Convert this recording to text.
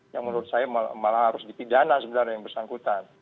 yang menurut saya malah harus dipidana sebenarnya yang bersangkutan